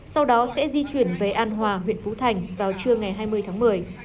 sau đó sẽ di chuyển về an hòa huyện phú thành vào trưa ngày hai mươi tháng một mươi